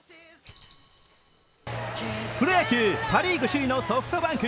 プロ野球、パ・リーグ首位のソフトバンク。